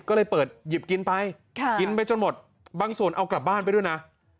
ก็เลยเปิดหยิบกินไปกินไปจนหมดบางส่วนเอากลับบ้านไปด้วยนะ